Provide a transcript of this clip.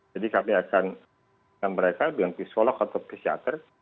jadi kami akan memberikan mereka dengan psikolog atau psikiater